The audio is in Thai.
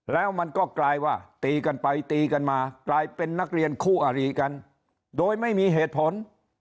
แล้วมันก็กลายว่าตีกันไปตีกันมากลายเป็นนักเรียนคู่อารีกันโดยไม่มีเหตุผล